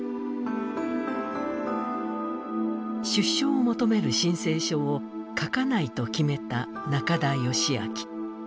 出所を求める申請書を書かないと決めた中田善秋。